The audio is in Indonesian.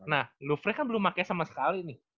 nah lufrey kan belum pakai sama sekali nih